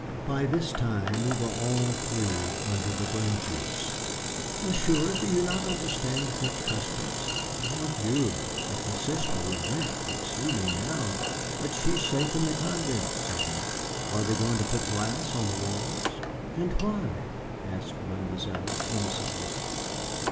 By this time we were all three under the branches. "Monsieur, you do not understand the French customs. Mon Dieu, if the good Sister Lorette could see me now " "But she is safe in the convent," said Nick. "Are they going to put glass on the walls?" "And why?" asked Mademoiselle, innocently.